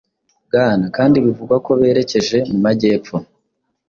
Bwana kandi bivugwa koberekeje mu majyepfo